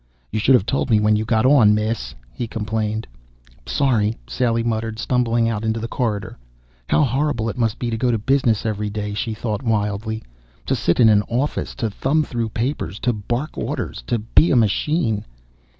"You should have told me when you got on, Miss!" he complained. "Sorry," Sally muttered, stumbling out into the corridor. How horrible it must be to go to business every day, she thought wildly. To sit in an office, to thumb through papers, to bark orders, to be a machine.